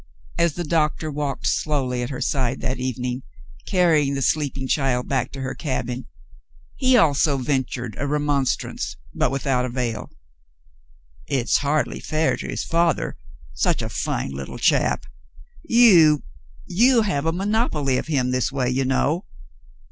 . As the doctor walked slowly at her side that evening, carrying the sleeping child back to her cabin, he also ven tured a remonstrance, but without avail. "It's hardly fair to his father — such a fine little chap. You — you have a monopoly of him this way, you know."